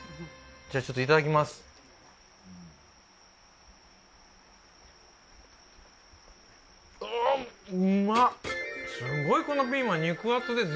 じゃあちょっといただきます（利枝子）